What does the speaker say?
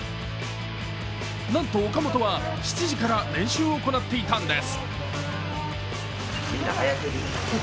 なんと岡本は７時から練習を行っていたんです。